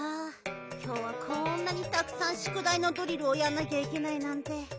きょうはこんなにたくさんしゅくだいのドリルをやんなきゃいけないなんて。